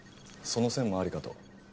その線もありかと。